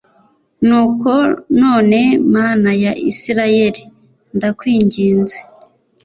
Nuko none Mana ya Isirayeli ndakwinginze